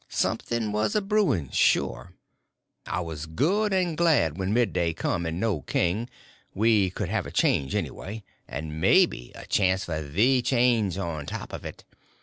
Something was a brewing, sure. I was good and glad when midday come and no king; we could have a change, anyway—and maybe a chance for the change on top of it.